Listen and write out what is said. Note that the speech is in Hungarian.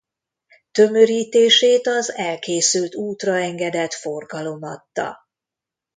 Tömörítését az elkészült útra engedett forgalom adta.